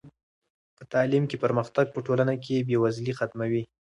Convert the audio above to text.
په تعلیم کې پرمختګ په ټولنه کې بې وزلي ختموي.